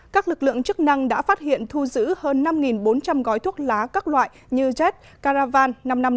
các lực lượng chức năng đã phát hiện thu giữ hơn năm bốn trăm linh gói thuốc lá các loại như jet caravan năm trăm năm mươi năm